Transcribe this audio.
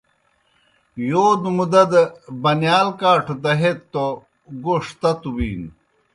یودوْ مُدا دہ بَنِیال کاٹھوْ دہیت توْ گوڙ تتوْ بِینوْ۔